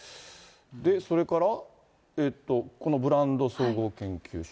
それから、このブランド総合研究所。